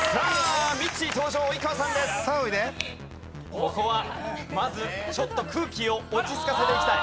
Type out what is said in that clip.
ここはまずちょっと空気を落ち着かせていきたい。